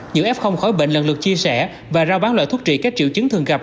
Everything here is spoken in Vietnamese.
giữ ép không khỏi bệnh lần lượt chia sẻ và rao bán loại thuốc trị các triệu chứng thường gặp